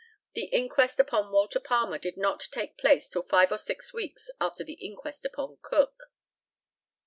The inquest upon Walter Palmer did not take place till five or six weeks after the inquest upon Cook.